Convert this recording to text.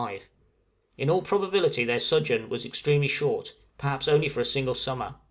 In all probability their sojourn was extremely short, perhaps only for a single summer.